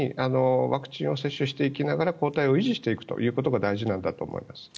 ワクチンを接種していきながら抗体を維持していくということが大事なんだと思います。